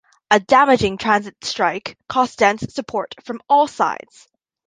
A damaging transit strike cost Dent support from all sides.